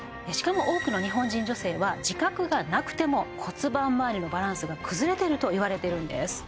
しかも多くの日本人女性は自覚がなくても骨盤まわりのバランスが崩れていると言われているんです